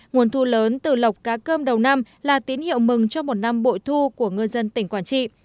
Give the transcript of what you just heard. nguồn thu lớn từ lộc cá cơm đầu năm là tín hiệu mừng cho một năm bội thu của ngư dân tỉnh quảng trị